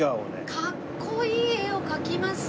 かっこいい絵を描きますね。